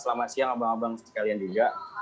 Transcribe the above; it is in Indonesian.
selamat siang abang abang sekalian juga